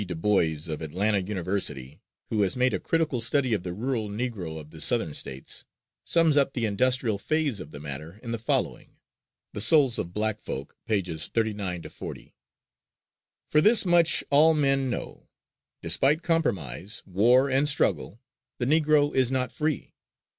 DuBois, of Atlanta University, who has made a critical study of the rural Negro of the Southern States, sums up the industrial phase of the matter in the following ("The Souls of Black Folk," pp. 39 40): "For this much all men know: Despite compromise, war and struggle, the Negro is not free.